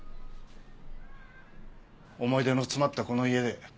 思い出の詰まったこの家で。